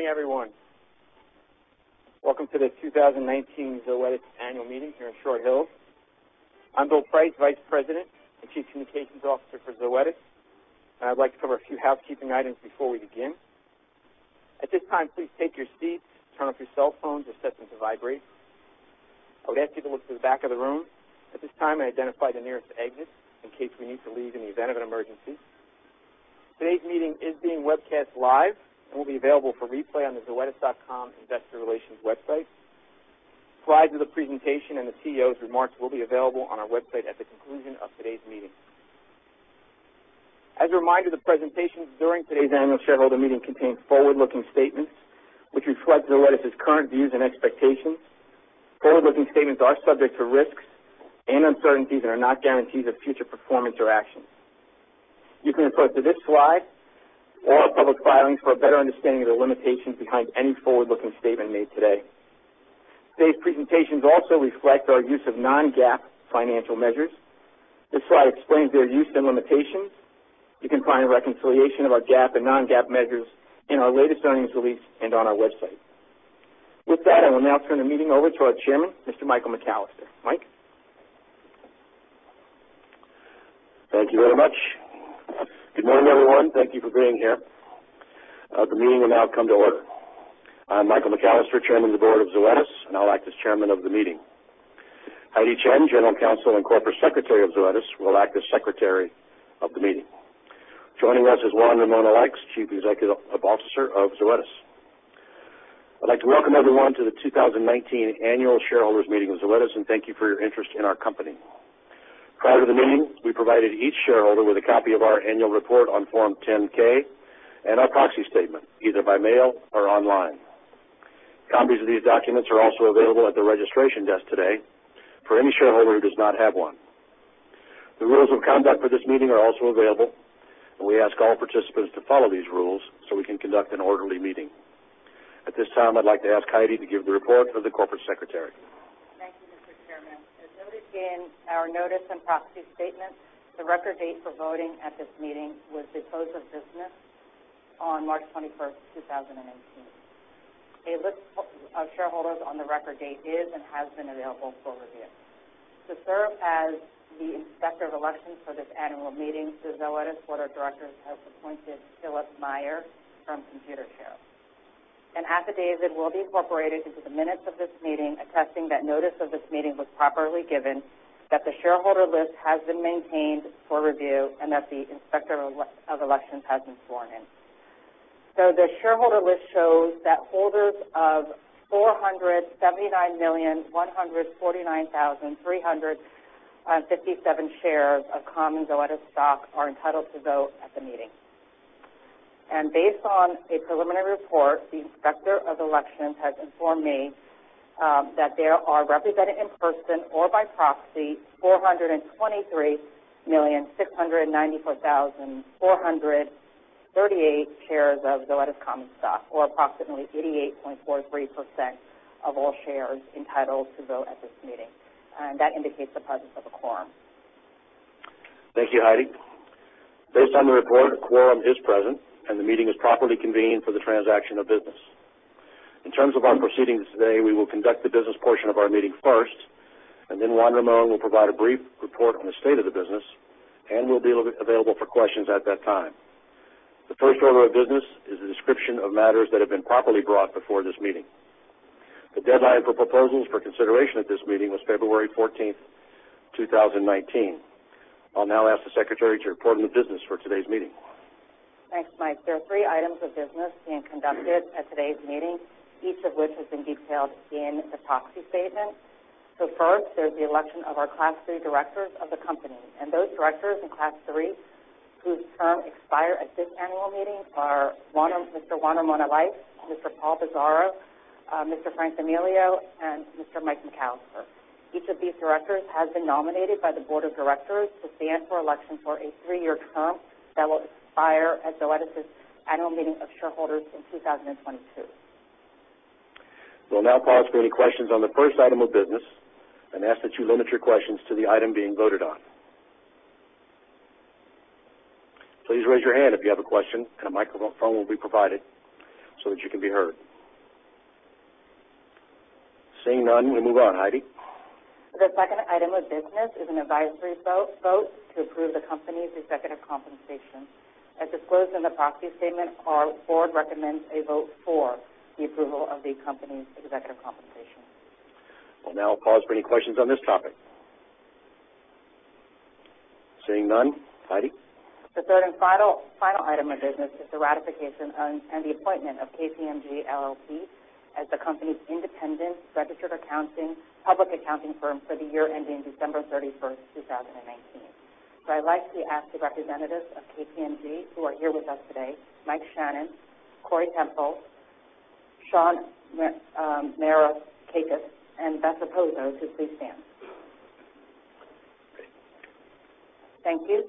Good morning, everyone. Welcome to the 2019 Zoetis Annual Meeting here in Short Hills. I'm Bill Prout, Vice President and Chief Communications Officer for Zoetis. I'd like to cover a few housekeeping items before we begin. At this time, please take your seats, turn off your cell phones, or set them to vibrate. I would ask you to look to the back of the room at this time and identify the nearest exit in case we need to leave in the event of an emergency. Today's meeting is being webcast live and will be available for replay on the zoetis.com investor relations website. Slides of the presentation and the CEO's remarks will be available on our website at the conclusion of today's meeting. As a reminder, the presentations during today's Annual Shareholder Meeting contain forward-looking statements which reflect Zoetis' current views and expectations. Forward-looking statements are subject to risks and uncertainties and are not guarantees of future performance or actions. You can refer to this slide or our public filings for a better understanding of the limitations behind any forward-looking statement made today. Today's presentations also reflect our use of non-GAAP financial measures. This slide explains their use and limitations. You can find a reconciliation of our GAAP and non-GAAP measures in our latest earnings release and on our website. With that, I will now turn the meeting over to our Chairman, Mr. Michael McCallister. Mike? Thank you very much. Good morning, everyone. Thank you for being here. The meeting will now come to order. I'm Michael McCallister, Chairman of the Board of Zoetis. I'll act as Chairman of the meeting. Heidi Chen, General Counsel and Corporate Secretary of Zoetis, will act as Secretary of the meeting. Joining us is Juan Ramón Alaix, Chief Executive Officer of Zoetis. I'd like to welcome everyone to the 2019 Annual Shareholders Meeting of Zoetis and thank you for your interest in our company. Prior to the meeting, we provided each shareholder with a copy of our annual report on Form 10-K and our proxy statement, either by mail or online. Copies of these documents are also available at the registration desk today for any shareholder who does not have one. The rules of conduct for this meeting are also available. We ask all participants to follow these rules so we can conduct an orderly meeting. At this time, I'd like to ask Heidi to give the report for the Corporate Secretary. Thank you, Mr. Chairman. As noted in our notice and proxy statement, the record date for voting at this meeting was the close of business on March 21st, 2019. A list of shareholders on the record date is and has been available for review. To serve as the Inspector of Elections for this annual meeting to Zoetis, the board of directors has appointed Philip Meyer from Computershare. An affidavit will be incorporated into the minutes of this meeting attesting that notice of this meeting was properly given, that the shareholder list has been maintained for review, and that the Inspector of Elections has been sworn in. The shareholder list shows that holders of 479,149,357 shares of common Zoetis stock are entitled to vote at the meeting. Based on a preliminary report, the Inspector of Elections has informed me that there are represented in person or by proxy 423,694,438 shares of Zoetis common stock, or approximately 88.43% of all shares entitled to vote at this meeting. That indicates the presence of a quorum. Thank you, Heidi. Based on the report, a quorum is present, and the meeting is properly convened for the transaction of business. In terms of our proceedings today, we will conduct the business portion of our meeting first, then Juan Ramón will provide a brief report on the state of the business and will be available for questions at that time. The first order of business is a description of matters that have been properly brought before this meeting. The deadline for proposals for consideration at this meeting was February 14th, 2019. I'll now ask the secretary to report on the business for today's meeting. Thanks, Mike. There are three items of business being conducted at today's meeting, each of which has been detailed in the proxy statement. First, there's the election of our Class III directors of the company, and those directors in Class III whose term expire at this annual meeting are Mr. Juan Ramón Alaix, Mr. Paul Bisaro, Mr. Frank D'Amelio, and Mr. Mike McCallister. Each of these directors has been nominated by the board of directors to stand for election for a three-year term that will expire at Zoetis' annual meeting of shareholders in 2022. We'll now pause for any questions on the first item of business and ask that you limit your questions to the item being voted on. Please raise your hand if you have a question, and a microphone will be provided so that you can be heard. Seeing none, we move on. Heidi? The second item of business is an advisory vote to approve the company's executive compensation. As disclosed in the proxy statement, our board recommends a vote for the approval of the company's executive compensation. We'll now pause for any questions on this topic. Seeing none. Heidi? The third and final item of business is the ratification and the appointment of KPMG LLP as the company's independent registered public accounting firm for the year ending December 31st, 2019. I'd like to ask the representatives of KPMG who are here with us today, Mike Shannon, Corey Temple, Shawn Mairagas, and Beth Pozos to please stand. Thank you.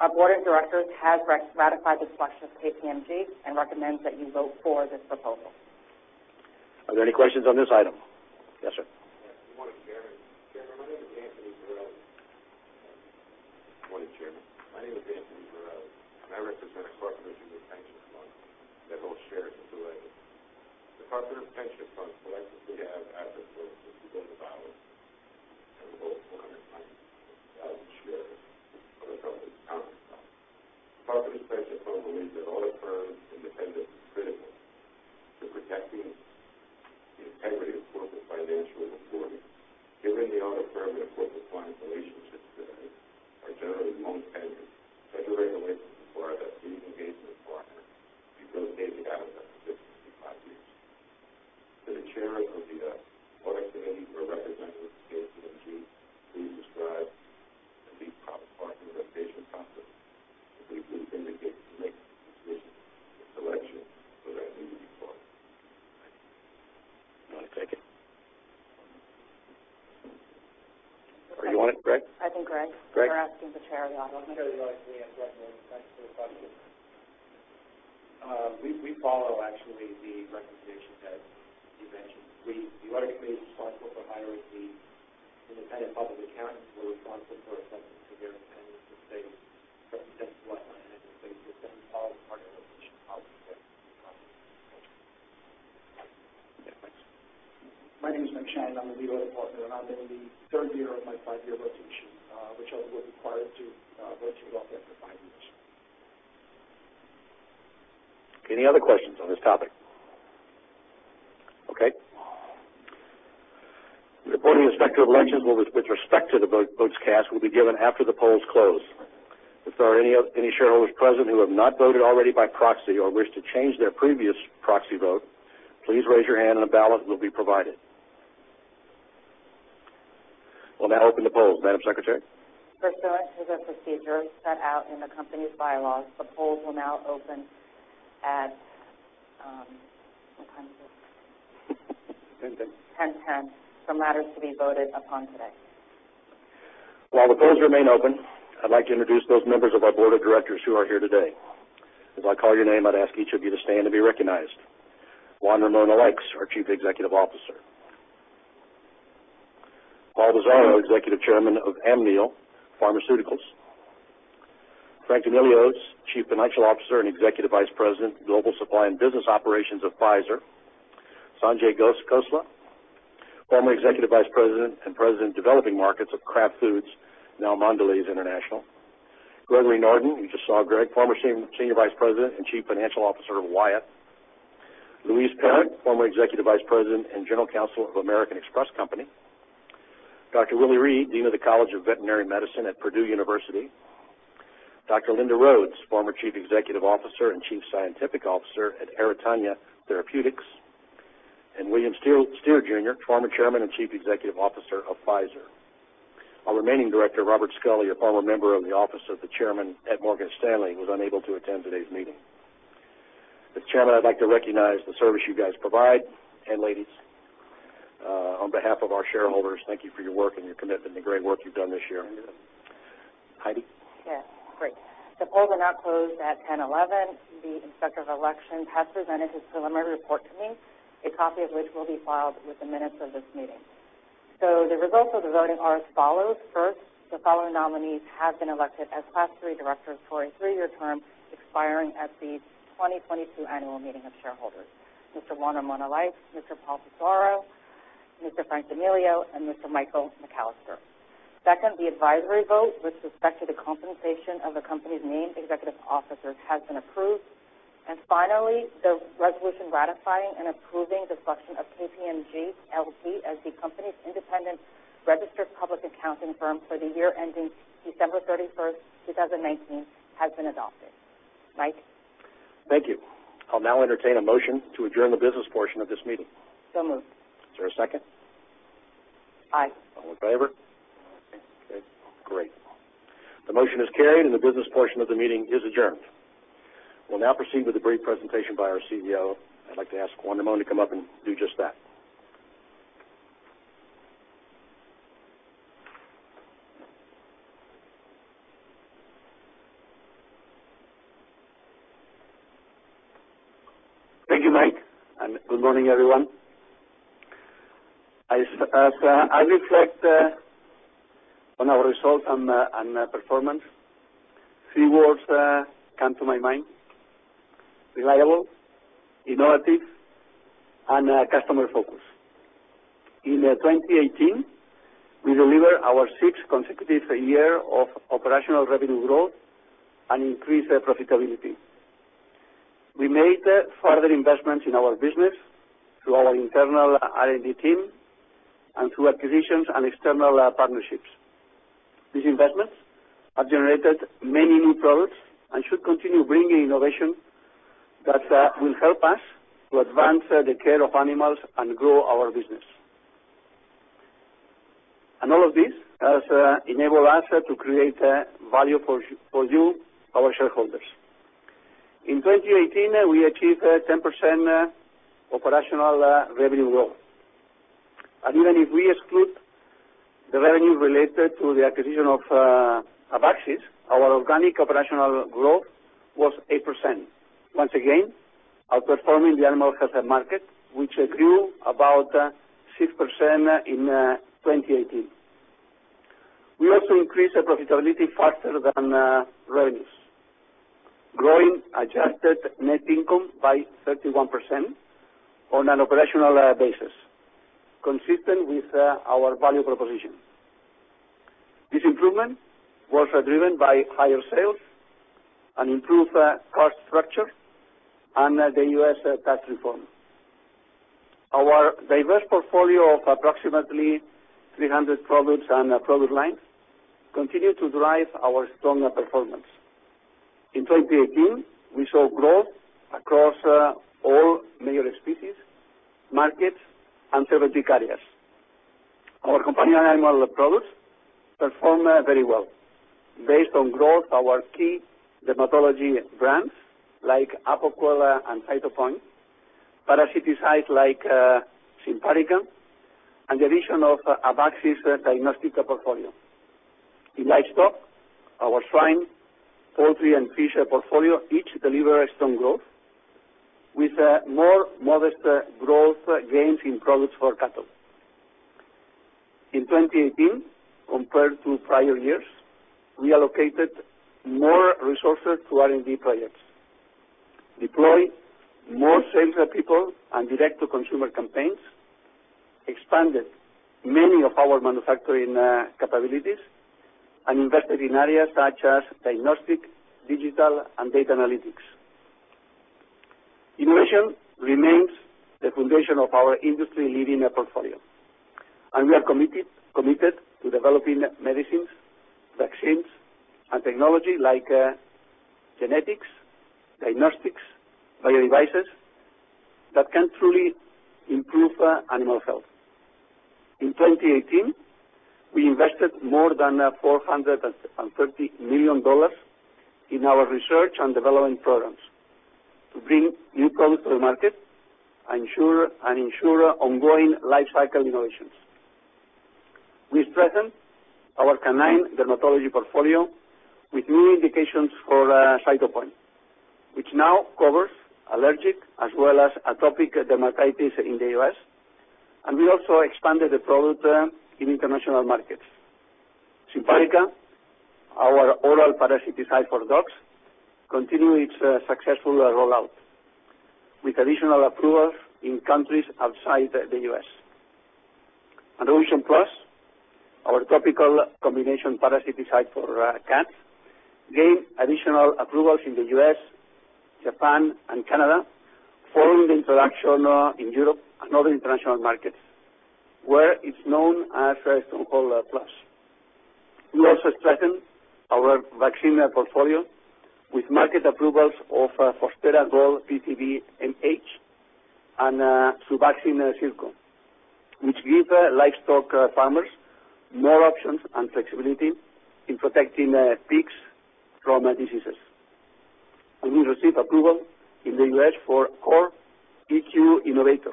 Our board of directors has ratified the selection of KPMG and recommends that you vote for this proposal. Are there any questions on this item? The entities thereof. I represent a corporation with pension funds that hold shares in Zoetis. The corporate pension funds collectively have assets worth in billions of dollars and hold 190,000 shares of the company's common stock. The corporate pension fund believes that audit firms' independence is critical to protecting the integrity of corporate financial reporting. Given the audit firm and corporate client relationships today are generally longstanding, such a regulation requires that the engagement partner be rotated every five years. To the chair of the Audit Committee or a representative of KPMG, please describe any possible partnership conflicts that may be indicated to make a decision in selection for that new partner. You want to take it? Do you want it, Greg? I think Greg. Greg. They're asking the Chair of the Audit. I'm the Chair of the Audit Committee and Gregory Norden. Thanks for the question. We follow actually the recommendations that you mentioned. The Audit Committee is responsible for hiring the independent public accountants who are responsible for assessing the fairness of statements represented to us. I think we follow the partner rotation policy that you commented on. Yeah, thanks. My name is Nick Shine, I'm the Lead Audit Partner, and I'm in the third year of my five-year rotation, which all of us are required to rotate as Audit Partner for five years. Any other questions on this topic? Okay. The reporting Inspector of Elections with respect to the votes cast will be given after the polls close. If there are any shareholders present who have not voted already by proxy or wish to change their previous proxy vote, please raise your hand and a ballot will be provided. We'll now open the polls. Madam Secretary. Pursuant to the procedure set out in the company's bylaws, the polls will now open at, what time is it? 10:10. 10:10, for matters to be voted upon today. While the polls remain open, I'd like to introduce those members of our Board of Directors who are here today. As I call your name, I'd ask each of you to stand and be recognized. Juan Ramón Alaix, our Chief Executive Officer. Paul Bisaro, Executive Chairman of Amneal Pharmaceuticals. Frank D'Amelio, Chief Financial Officer and Executive Vice President, Global Supply and Business Operations of Pfizer. Sanjay Khosla, former Executive Vice President and President, Developing Markets of Kraft Foods, now Mondelez International. Gregory Norden, you just saw Greg, former Senior Vice President and Chief Financial Officer of Wyeth. Louise Parent Greg former Executive Vice President and General Counsel of American Express Company. Dr. Willie Reed, Dean of the College of Veterinary Medicine at Purdue University. Dr. Linda Rhodes, former Chief Executive Officer and Chief Scientific Officer at Aratana Therapeutics. William Steere Jr., former Chairman and Chief Executive Officer of Pfizer. Our remaining director, Robert Scully, a former member of the office of the chairman at Morgan Stanley, was unable to attend today's meeting. As chairman, I'd like to recognize the service you guys provide, and ladies. On behalf of our shareholders, thank you for your work and your commitment and the great work you've done this year. Heidi? Yes. Great. The polls are now closed at 10:11 A.M. The Inspector of Elections has presented his preliminary report to me, a copy of which will be filed with the minutes of this meeting. The results of the voting are as follows. First, the following nominees have been elected as Class III directors for a three-year term expiring at the 2022 annual meeting of shareholders. Mr. Juan Ramón Alaix, Mr. Paul Bisaro, Mr. Frank D'Amelio, and Mr. Michael McCallister. Second, the advisory vote with respect to the compensation of the company's named executive officers has been approved. Finally, the resolution ratifying and approving the selection of KPMG LLP as the company's independent registered public accounting firm for the year ending December 31, 2019, has been adopted. Mike. Thank you. I'll now entertain a motion to adjourn the business portion of this meeting. So moved. Is there a second? Aye. All in favor? Okay, great. The motion is carried, and the business portion of the meeting is adjourned. We'll now proceed with a brief presentation by our CEO. I'd like to ask Juan Ramón to come up and do just that. Thank you, Mike, and good morning, everyone. As I reflect on our results and performance, three words come to my mind: reliable, innovative, and customer-focused. In 2018, we delivered our sixth consecutive year of operational revenue growth and increased profitability. We made further investments in our business through our internal R&D team and through acquisitions and external partnerships. These investments have generated many new products and should continue bringing innovation that will help us to advance the care of animals and grow our business. All of this has enabled us to create value for you, our shareholders. In 2018, we achieved a 10% operational revenue growth. Even if we exclude the revenue related to the acquisition of Abaxis, our organic operational growth was 8%. Once again, outperforming the animal health market, which grew about 6% in 2018. We also increased our profitability faster than revenues. Growing adjusted net income by 31% on an operational basis, consistent with our value proposition. This improvement was driven by higher sales and improved cost structure and the U.S. tax reform. Our diverse portfolio of approximately 300 products and product lines continue to drive our strong performance. In 2018, we saw growth across all major species, markets, and therapeutic areas. Our companion animal products performed very well. Based on growth, our key dermatology brands like Apoquel and Cytopoint, parasiticides like Simparica, and the addition of Abaxis diagnostic portfolio. In livestock, our swine, poultry, and fish portfolio each deliver strong growth with more modest growth gains in products for cattle. In 2018, compared to prior years, we allocated more resources to R&D projects, deployed more salespeople and direct-to-consumer campaigns, expanded many of our manufacturing capabilities, and invested in areas such as diagnostic, digital, and data analytics. Innovation remains the foundation of our industry-leading portfolio, and we are committed to developing medicines, vaccines, and technology like genetics, diagnostics, biodevices that can truly improve animal health. In 2018, we invested more than $430 million in our research and development programs to bring new products to the market and ensure ongoing life cycle innovations. We strengthened our canine dermatology portfolio with new indications for Apoquel, which now covers allergic as well as atopic dermatitis in the U.S. We also expanded the product in international markets. Simparica, our oral parasiticide for dogs, continue its successful rollout, with additional approvals in countries outside the U.S. Revolution Plus, our topical combination parasiticide for cats, gained additional approvals in the U.S., Japan, and Canada, following the introduction in Europe and other international markets, where it is known as Stronghold Plus. We also strengthened our vaccine portfolio with market approvals of Fostera Gold PCVMH and Suvaxyn Circo, which give livestock farmers more options and flexibility in protecting pigs from diseases. We received approval in the U.S. for CORE EQ Innovator,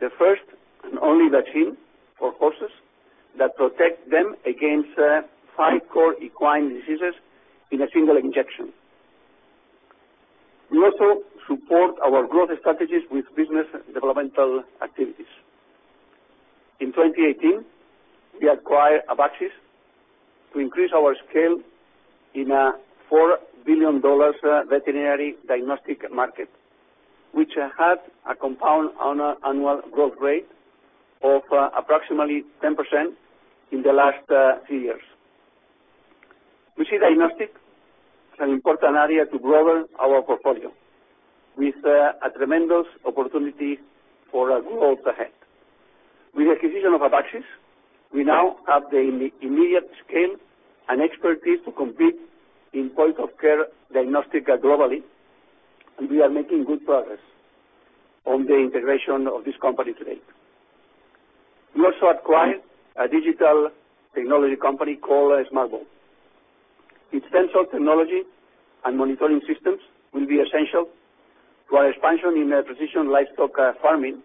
the first and only vaccine for horses that protect them against five core equine diseases in a single injection. We also support our growth strategies with business developmental activities. In 2018, we acquired Abaxis to increase our scale in a $4 billion veterinary diagnostic market, which had a compound annual growth rate of approximately 10% in the last three years. We see diagnostic as an important area to grow our portfolio with a tremendous opportunity for growth ahead. With the acquisition of Abaxis, we now have the immediate scale and expertise to compete in point-of-care diagnostic globally. We are making good progress on the integration of this company to date. We also acquired a digital technology company called SmartBow. Its sensor technology and monitoring systems will be essential to our expansion in precision livestock farming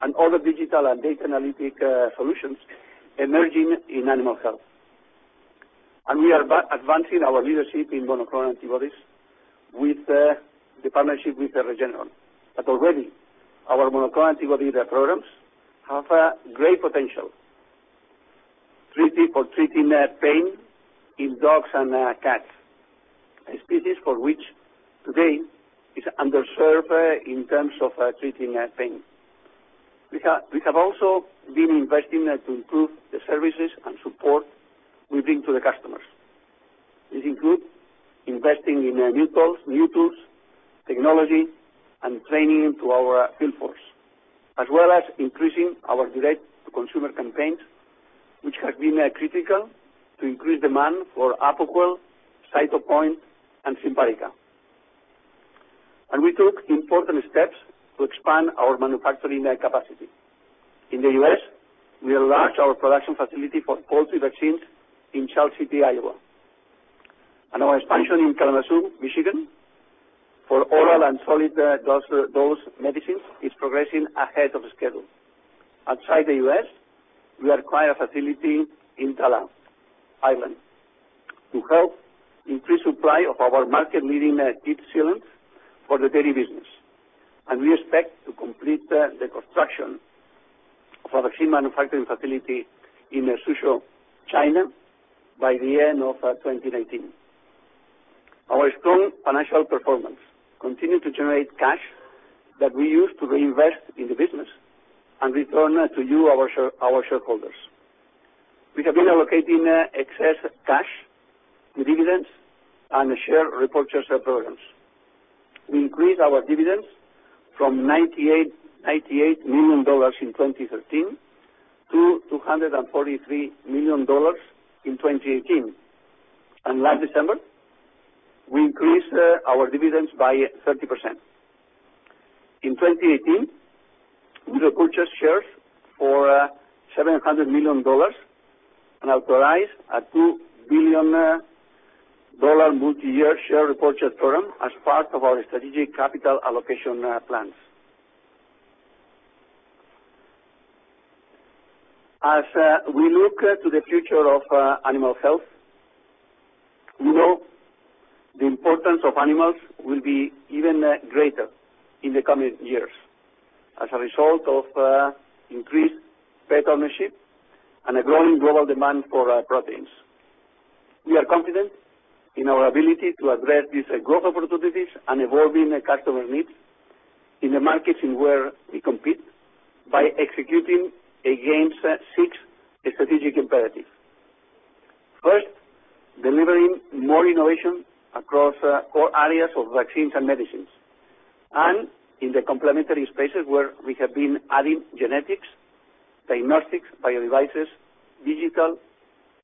and other digital and data analytic solutions emerging in animal health. We are advancing our leadership in monoclonal antibodies with the partnership with Regeneron Pharmaceuticals. Already, our monoclonal antibody data programs have a great potential. Three people treating pain in dogs and cats, a species for which today is underserved in terms of treating pain. We have also been investing to improve the services and support we bring to the customers. This includes investing in new tools, technology, and training to our field force, as well as increasing our direct-to-consumer campaigns, which have been critical to increase demand for Apoquel, Cytopoint, and Simparica. We took important steps to expand our manufacturing capacity. In the U.S., we enlarged our production facility for poultry vaccines in Charles City, Iowa. Our expansion in Kalamazoo, Michigan, for oral and solid dose medicines is progressing ahead of schedule. Outside the U.S., we acquired a facility in Thailand to help increase supply of our market-leading EXCEDE for the dairy business. We expect to complete the construction of our feed manufacturing facility in Suzhou, China, by the end of 2019. Our strong financial performance continued to generate cash that we used to reinvest in the business and return to you, our shareholders. We have been allocating excess cash dividends on the share repurchase programs. We increased our dividends from $98 million in 2013 to $243 million in 2018. Last December, we increased our dividends by 30%. In 2018, we repurchased shares for $700 million and authorized a $2 billion multi-year share repurchase program as part of our strategic capital allocation plans. As we look to the future of animal health, we know the importance of animals will be even greater in the coming years as a result of increased pet ownership and a growing global demand for proteins. We are confident in our ability to address these growth opportunities and evolving customer needs in the markets in where we compete by executing against six strategic imperatives. First, delivering more innovation across core areas of vaccines and medicines, and in the complementary spaces where we have been adding genetics, diagnostics, biodevices, digital,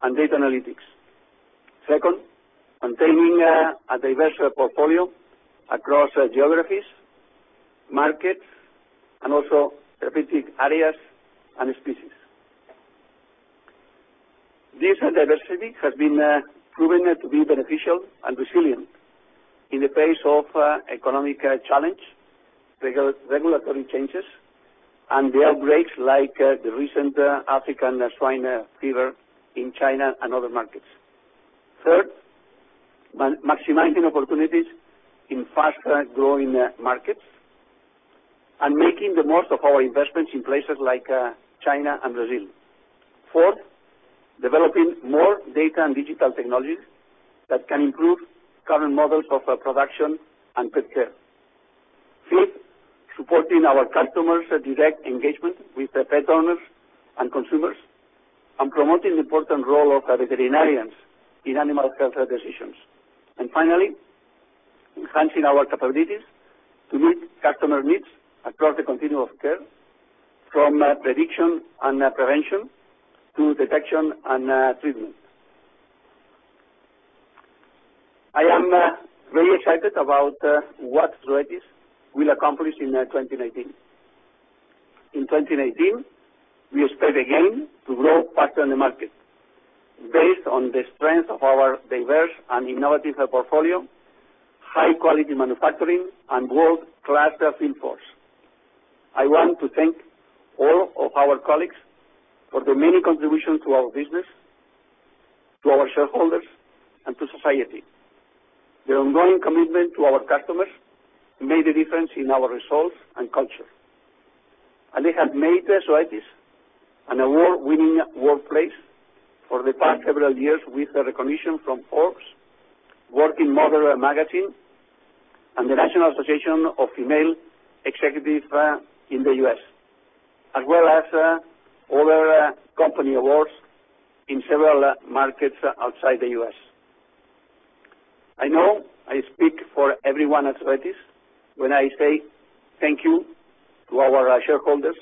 and data analytics. Second, maintaining a diverse portfolio across geographies, markets, and also therapeutic areas and species. This diversity has been proven to be beneficial and resilient in the face of economic challenge, regulatory changes, and the outbreaks like the recent African swine fever in China and other markets. Third, maximizing opportunities in fast-growing markets and making the most of our investments in places like China and Brazil. Fourth, developing more data and digital technologies that can improve current models of production and pet care. Fifth, supporting our customers' direct engagement with the pet owners and consumers and promoting the important role of veterinarians in animal health decisions. Finally, enhancing our capabilities to meet customer needs across the continuum of care, from prediction and prevention to detection and treatment. I am very excited about what Zoetis will accomplish in 2019. In 2019, we expect again to grow faster in the market based on the strength of our diverse and innovative portfolio, high-quality manufacturing, and world-class field force. I want to thank all of our colleagues for their many contributions to our business, to our shareholders, and to society. Their ongoing commitment to our customers made a difference in our results and culture, and they have made Zoetis an award-winning workplace for the past several years with recognition from Forbes, Working Mother magazine, and the National Association for Female Executives in the U.S., as well as other company awards in several markets outside the U.S. I know I speak for everyone at Zoetis when I say thank you to our shareholders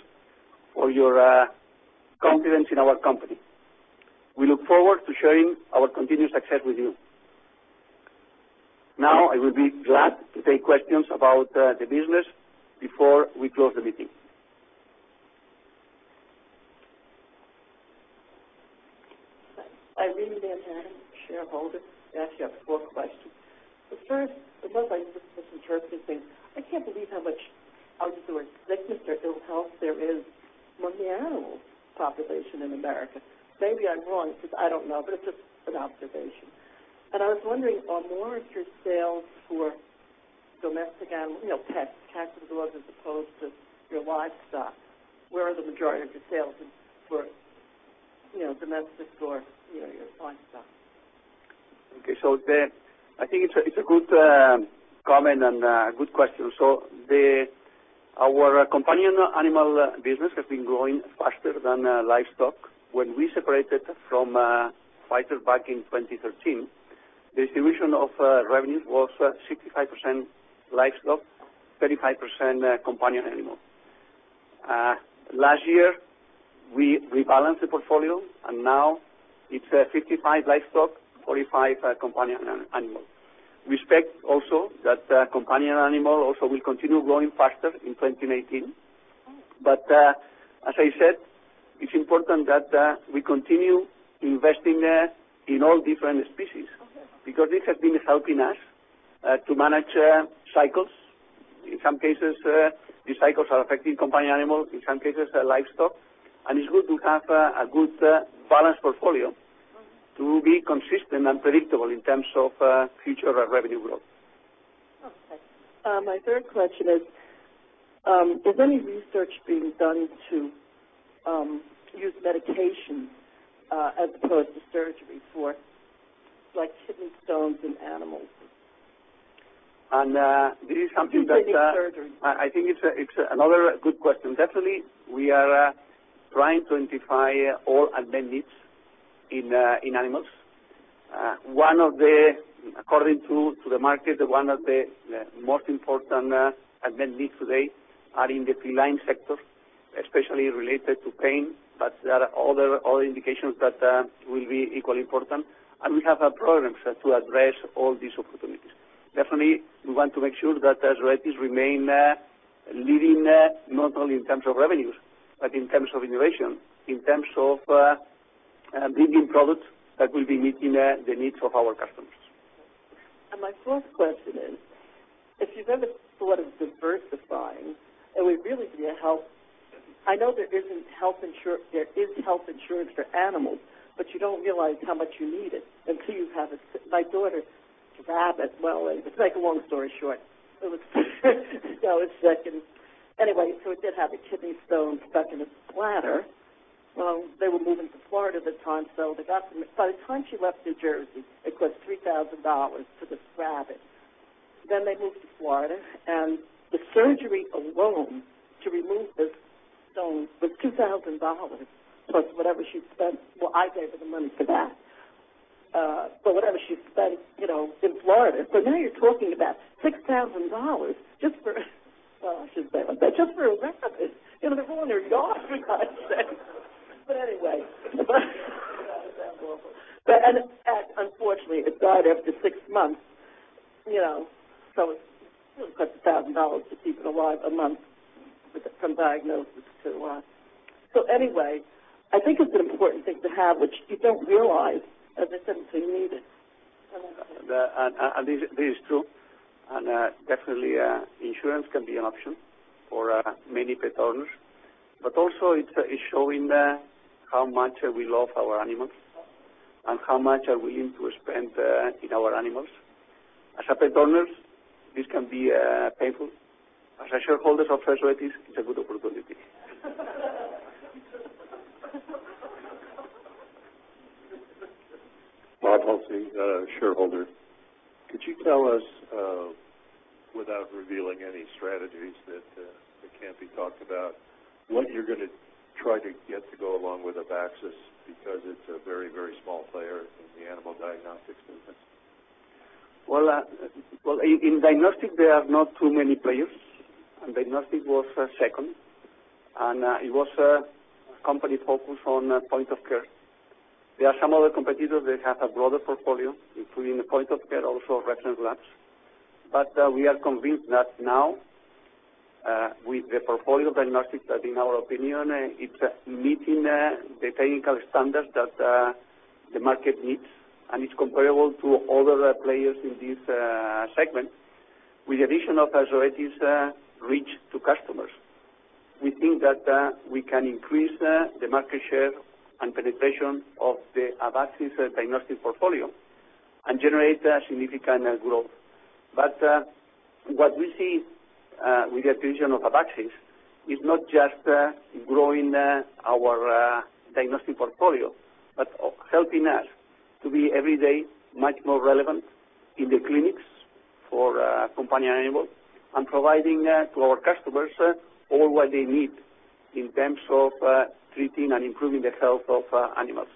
for your confidence in our company. We look forward to sharing our continued success with you. Now, I will be glad to take questions about the business before we close the meeting. Irene Van Houten, shareholder. I actually have four questions. The first, unless I'm just misinterpreting, I can't believe how much, I'll use the word sickness or ill health there is among the animal population in America. Maybe I'm wrong because I don't know, but it's just an observation. I was wondering, are more of your sales for domestic animal, pets, cats and dogs, as opposed to your livestock? Where are the majority of your sales in, for domestic or your livestock? Okay. I think it's a good comment and a good question. Our companion animal business has been growing faster than livestock. When we separated from Pfizer back in 2013, distribution of revenues was 65% livestock, 35% companion animal. Last year, we rebalanced the portfolio, now it's 55 livestock, 45 companion animal. We expect that companion animal will continue growing faster in 2019. Okay. As I said, it's important that we continue investing in all different species. Okay. This has been helping us to manage cycles. In some cases, these cycles are affecting companion animals, in some cases, livestock. It's good to have a good balanced portfolio to be consistent and predictable in terms of future revenue growth. Okay. My third question is any research being done to use medication as opposed to surgery for things like kidney stones in animals? This is something that- To prevent surgery I think it's another good question. Definitely, we are trying to identify all unmet needs in animals. According to the market, one of the most important unmet needs today are in the feline sector, especially related to pain, but there are other indications that will be equally important. We have programs to address all these opportunities. Definitely, we want to make sure that Zoetis remain leading, not only in terms of revenues, but in terms of innovation, in terms of bringing products that will be meeting the needs of our customers. My fourth question is, if you've ever thought of diversifying. It would really be a help. I know there is health insurance for animals, but you don't realize how much you need it until you have a. My daughter's rabbit, well, to make a long story short, it was sick. Anyway, it did have a kidney stone stuck in its bladder. They were moving to Florida at the time, so they got from. By the time she left New Jersey, it cost $3,000 for this rabbit. They moved to Florida, and the surgery alone to remove this stone was $2,000. Plus whatever she spent. Well, I gave her the money for that. Whatever she spent in Florida. Now you're talking about $6,000 just for, well, I shouldn't say it like that, just for a rabbit. They ruin their yard, for God's sake. Anyway. God, it sounds awful. Unfortunately, it died after six months. It really cost $1,000 to keep it alive a month from diagnosis to. Anyway, I think it's an important thing to have, which you don't realize that this is something you needed. This is true. Definitely, insurance can be an option for many pet owners, but also it's showing how much we love our animals and how much are we willing to spend in our animals. As pet owners, this can be painful. As shareholders of Zoetis, it's a good opportunity. Bob Halsey, shareholder. Could you tell us, without revealing any strategies that can't be talked about, what you're going to try to get to go along with Abaxis, because it's a very, very small player in the animal diagnostics business. Well, in diagnostic, there are not too many players, diagnostic was second. It was a company focused on point of care. There are some other competitors that have a broader portfolio, including the point of care, also reference labs. We are convinced that now, with the portfolio diagnostics that in our opinion, it's meeting the technical standards that the market needs, and it's comparable to other players in this segment. With the addition of Zoetis' reach to customers, we think that we can increase the market share and penetration of the Abaxis diagnostic portfolio and generate significant growth. What we see with the addition of Abaxis is not just growing our diagnostic portfolio, but helping us to be every day much more relevant in the clinics for companion animals and providing to our customers all what they need in terms of treating and improving the health of animals.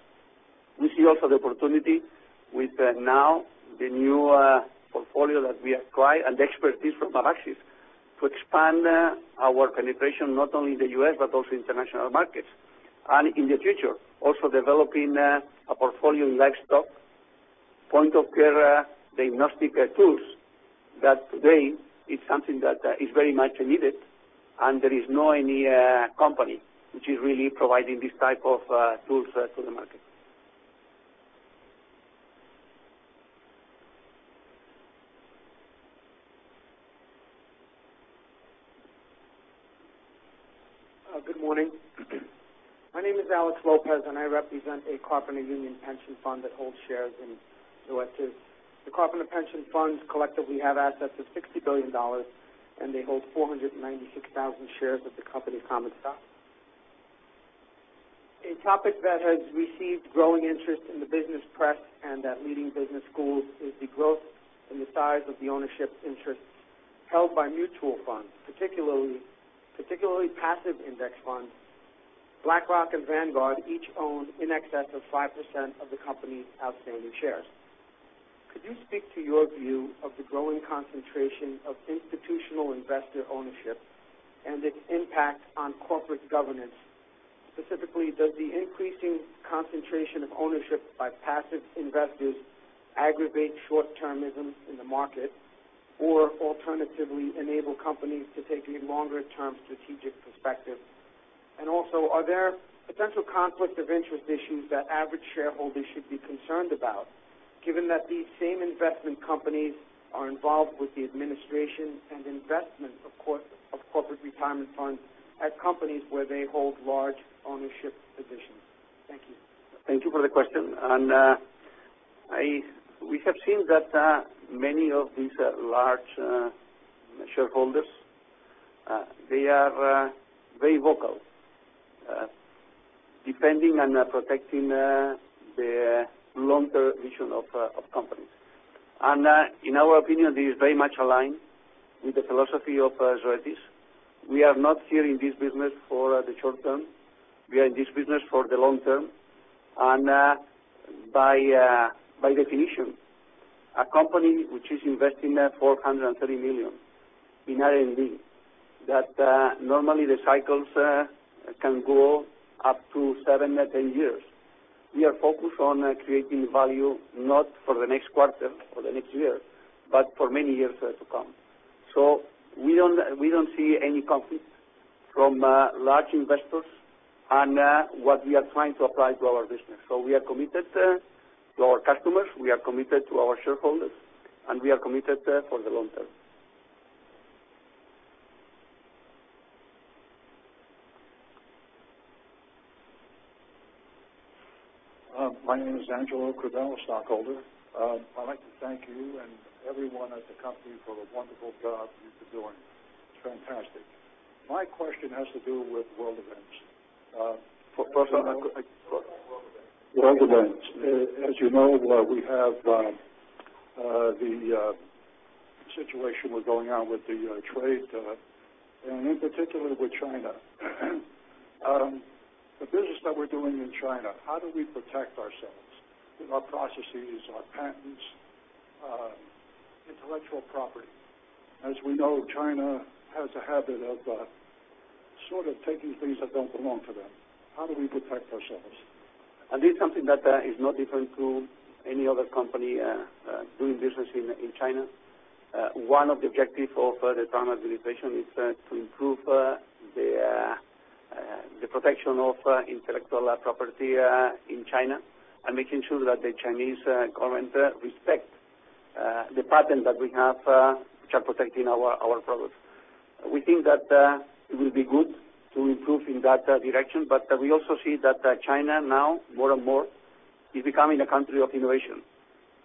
We see also the opportunity with now the new portfolio that we acquired and the expertise from Abaxis to expand our penetration not only in the U.S., but also international markets. In the future, also developing a portfolio in livestock point of care diagnostic tools. That today is something that is very much needed, and there is not any company which is really providing these type of tools to the market. Good morning. My name is Alex Lopez, and I represent a Carpenters Union pension fund that holds shares in Zoetis. The Carpenters pension funds collectively have assets of $60 billion, and they hold 496,000 shares of the company's common stock. A topic that has received growing interest in the business press and at leading business schools is the growth and the size of the ownership interests held by mutual funds, particularly passive index funds. BlackRock and Vanguard each own in excess of 5% of the company's outstanding shares. Could you speak to your view of the growing concentration of institutional investor ownership and its impact on corporate governance? Specifically, does the increasing concentration of ownership by passive investors aggravate short-termism in the market, or alternatively, enable companies to take a longer-term strategic perspective? Also, are there potential conflict-of-interest issues that average shareholders should be concerned about, given that these same investment companies are involved with the administration and investment of corporate retirement funds at companies where they hold large ownership positions? Thank you. Thank you for the question. We have seen that many of these large shareholders are very vocal, defending and protecting the long-term vision of companies. In our opinion, this is very much aligned with the philosophy of Zoetis. We are not here in this business for the short term. We are in this business for the long term. By definition, a company which is investing $430 million in R&D, that normally the cycles can go up to seven, 10 years. We are focused on creating value, not for the next quarter, for the next year, but for many years to come. We don't see any conflict from large investors and what we are trying to apply to our business. We are committed to our customers, we are committed to our shareholders, and we are committed for the long term. My name is Angelo Crivello, stockholder. I'd like to thank you and everyone at the company for the wonderful job you've been doing. It's fantastic. My question has to do with world events. Pardon? World events. As you know, we have the situation with going on with the trade, and in particular with China. The business that we're doing in China, how do we protect ourselves, our processes, our patents, intellectual property? As we know, China has a habit of sort of taking things that don't belong to them. How do we protect ourselves? This is something that is no different to any other company doing business in China. One of the objectives of the Trump administration is to improve the protection of intellectual property in China and making sure that the Chinese government respects the patents that we have, which are protecting our products. We think that it will be good to improve in that direction. We also see that China now, more and more, is becoming a country of innovation.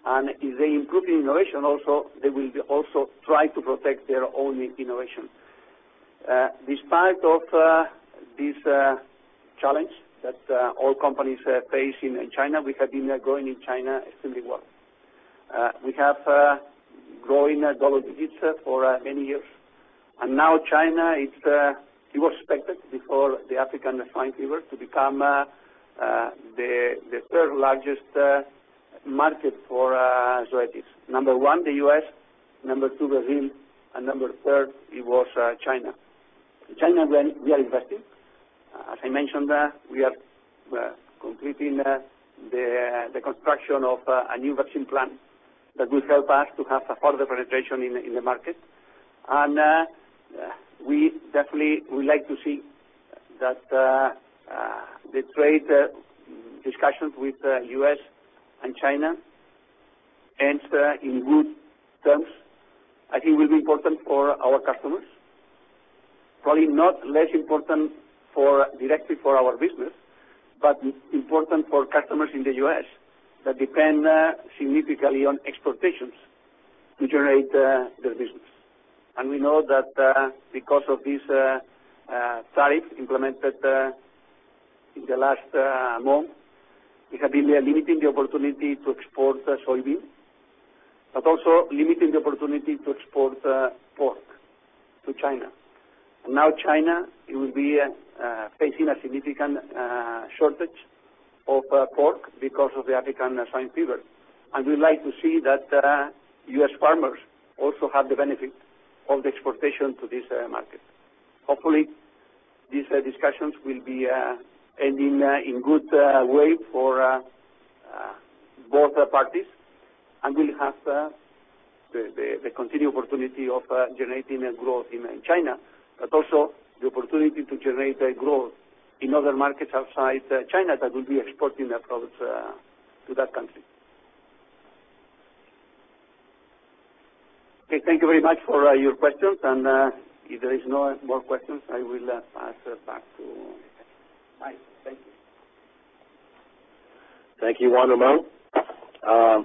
If they improve in innovation also, they will also try to protect their own innovation. Despite of this challenge that all companies face in China, we have been growing in China extremely well. We have growing double digits for many years. Now China, it was expected before the African swine fever to become the third-largest market for Zoetis. Number 1, the U.S., number 2, Brazil, and number 3, it was China. In China, we are investing. As I mentioned, we are completing the construction of a new vaccine plant that will help us to have a further penetration in the market. We definitely would like to see that the trade discussions with U.S. and China end in good terms. I think will be important for our customers. Probably not less important directly for our business, but important for customers in the U.S. that depend significantly on exportations to generate their business. We know that because of this tariff implemented in the last month, it has been limiting the opportunity to export soybeans, but also limiting the opportunity to export pork to China. Now China, it will be facing a significant shortage of pork because of the African swine fever. We'd like to see that U.S. farmers also have the benefit of the exportation to this market. Hopefully, these discussions will be ending in good way for both parties and will have the continued opportunity of generating a growth in China, but also the opportunity to generate a growth in other markets outside China that will be exporting their products to that country. Okay, thank you very much for your questions, and if there are no more questions, I will pass it back to Mike. Thank you. Thank you, Juan Ramón.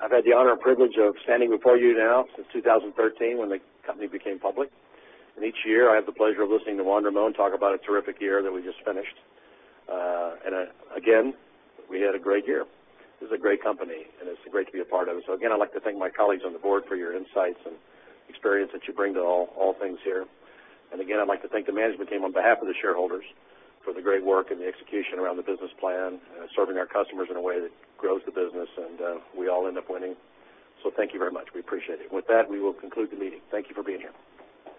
I've had the honor and privilege of standing before you now since 2013 when the company became public. Each year, I have the pleasure of listening to Juan Ramón talk about a terrific year that we just finished. Again, we had a great year. This is a great company, and it's great to be a part of it. Again, I'd like to thank my colleagues on the board for your insights and experience that you bring to all things here. Again, I'd like to thank the management team on behalf of the shareholders for the great work and the execution around the business plan, serving our customers in a way that grows the business and we all end up winning. Thank you very much. We appreciate it. With that, we will conclude the meeting. Thank you for being here.